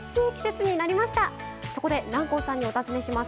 そこで南光さんにお尋ねします。